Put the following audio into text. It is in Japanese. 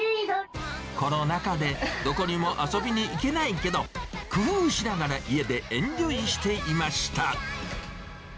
コロナ禍でどこにも遊びに行けないけど、工夫しながら家でエンジョイしていました。